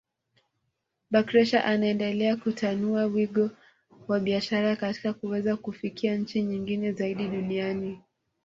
Bakhresa anaendelea kutanua wigo wa biashara katika kuweza kufikia nchi nyingi zaidi duniani